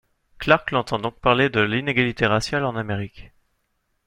Clark l'entend donc parler de l'inégalité raciale en Amérique.